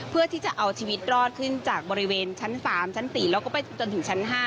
เพื่อที่จะเอาชีวิตรอดขึ้นจากบริเวณชั้น๓ชั้น๔แล้วก็ไปจนถึงชั้น๕